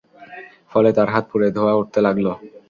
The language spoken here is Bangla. ফলে তার হাত পুড়ে ধোঁয়া উঠতে লাগল।